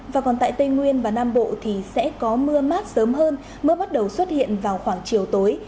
và còn tại tây nguyên và nam bộ thì sẽ có mưa mát sớm hơn mưa bắt đầu xuất hiện vào khoảng chiều tối